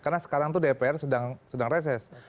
karena sekarang itu dpr sedang reses